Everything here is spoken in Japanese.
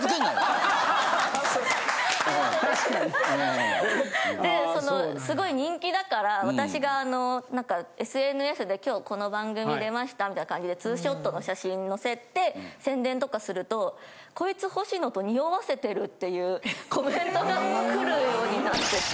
確かに。ですごい人気だから私がＳＮＳで「今日この番組出ました」みたいな感じでツーショットの写真載せて宣伝とかすると。っていうコメントがくるようになってて。